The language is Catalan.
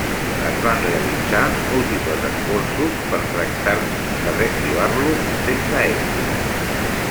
Es van realitzar múltiples esforços per tractar de reactivar-lo, sense èxit.